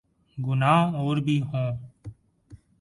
گناہ اور بھی ہوں۔